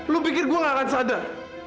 lu pikir gue gak akan sadar